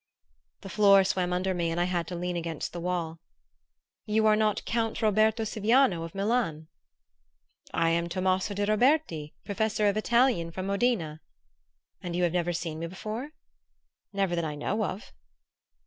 The floor swam under me and I had to lean against the wall. "You are not Count Roberto Siviano of Milan?" "I am Tommaso de Roberti, professor of Italian, from Modena." "And you have never seen me before?" "Never that I know of."